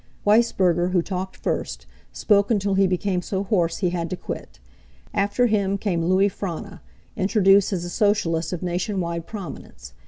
Weissberger, who talked first, spoke until he became so hoarse he had to quit. After him came Louis Frana, introduced as a Socialist of nation wide prominence.